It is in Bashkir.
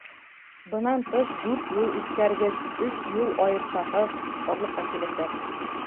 Бынан тыш, дүрт юл үткәргес, өс юл айырсаһы барлыҡҡа киләсәк.